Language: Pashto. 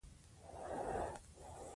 په ټولنه کې د خیر کارونه ترسره کړئ.